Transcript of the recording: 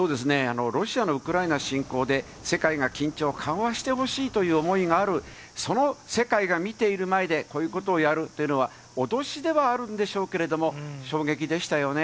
ロシアのウクライナ侵攻で、世界が緊張緩和してほしいという思いがある、その世界が見ている前で、こういうことをやるというのは、脅しではあるんでしょうけれども、衝撃でしたよね。